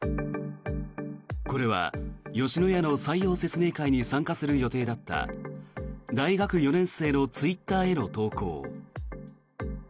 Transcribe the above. これは吉野家の採用説明会に参加する予定だった大学４年生のツイッターへの投稿。